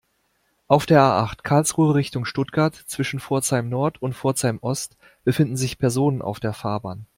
Auf der A-acht, Karlsruhe Richtung Stuttgart, zwischen Pforzheim-Nord und Pforzheim-Ost befinden sich Personen auf der Fahrbahn.